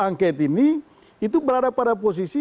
angket ini itu berada pada posisi